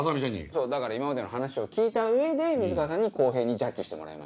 そう今までの話を聞いた上で水川さんに公平にジャッジしてもらいましょうよ。